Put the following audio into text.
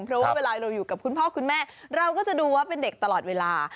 เพราะว่าเวลาเราอยู่กับคุณพ่อคุณแม่เราก็จะดูว่าเป็นเด็กตลอดเวลา